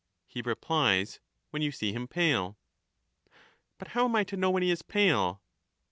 — he replies, ' When you see him pale.' But how am I to know when he is pale?'